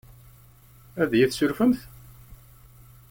Ad iyi-tessurfemt?